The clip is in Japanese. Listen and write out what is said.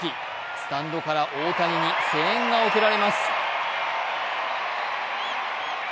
スタンドから大谷に声援が送られます。